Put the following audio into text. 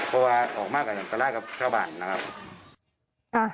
พอว่าออกมากันตลาดกับข้าวบันนะครับ